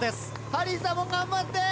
ハリーさんも頑張って。